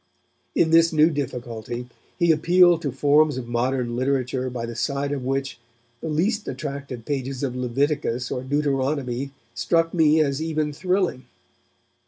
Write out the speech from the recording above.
In this new difficulty, he appealed to forms of modern literature by the side of which the least attractive pages of Leviticus or Deuteronomy struck me as even thrilling.